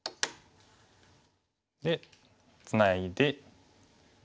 でツナいで。